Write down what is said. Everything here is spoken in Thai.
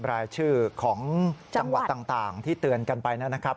รายชื่อของจังหวัดต่างที่เตือนกันไปนะครับ